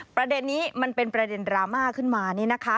ประเด็นนี้มันเป็นประเด็นดราม่าขึ้นมานี่นะคะ